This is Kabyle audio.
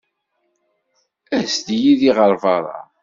As-d yid-i ɣer beṛṛa.